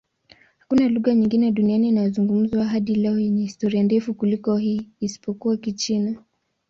Hakuna lugha nyingine duniani inayozungumzwa hadi leo yenye historia ndefu kuliko hii, isipokuwa Kichina.